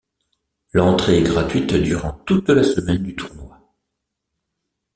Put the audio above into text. L'entrée est gratuite durant toute la semaine du tournoi.